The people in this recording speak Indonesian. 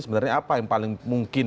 sebenarnya apa yang paling mungkin